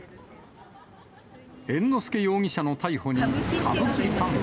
猿之助容疑者の逮捕に、歌舞伎ファンは。